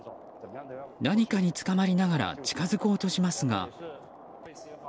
何かにつかまりながら近づこうとしますが。